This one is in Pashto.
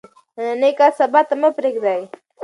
نننی کار سبا ته مه پریږدئ.